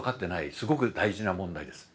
すごく大事な問題です。